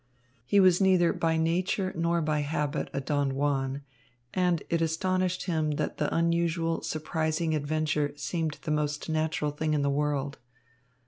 He was neither by nature nor by habit a Don Juan, and it astonished him that the unusual, surprising adventure seemed the most natural thing in the world.